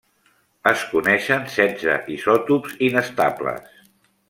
Es coneixen setze isòtops inestables.